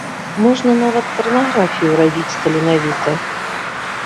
Можна нават парнаграфію рабіць таленавіта.